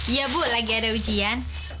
iya bu lagi ada ujian